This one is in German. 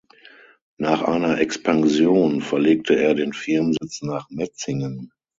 Nach einer Expansion verlegte er den Firmensitz nach Metzingen.